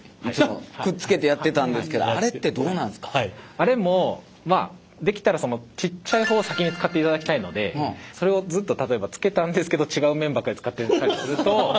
あれもできたらちっちゃい方を先に使っていただきたいのでそれをずっと例えばつけたんですけど違う面ばっかり使ってたりすると。